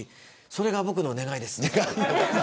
それが僕の願いですね。